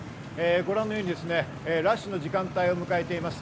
ご覧のようにラッシュの時間帯を迎えています。